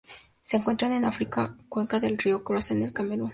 Se encuentran en África: cuenca del río Cross en el Camerún.